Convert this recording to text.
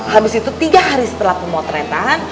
habis itu tiga hari setelah pemotretan